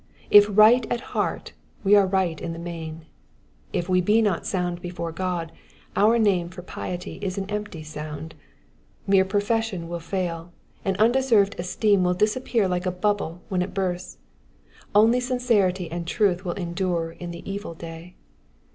If right at heart we are right in the main. If we be not sound before God, our name for piety is an empty sound. Mere profession will fail, and undeserved esteem will disappear like a bubble when it bursts ; only sincerity and truth will endure in the evil day.